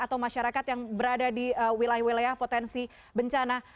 atau masyarakat yang berada di wilayah wilayah potensi bencana